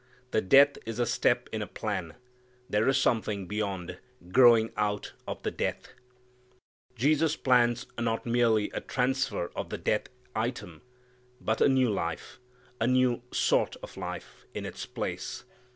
The death is a step in a plan. There is something beyond, growing out of the death. Jesus plans not merely a transfer of the death item, but a new life, a new sort of life, in its place.